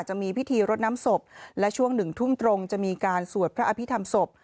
จะมีพิธีรดน้ำศพและช่วงหนึ่งทุ่มตรงจะมีการสวดพระอภิษฐรรมศพ